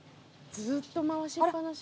ずっと回しっ放し？